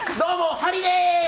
ハリです。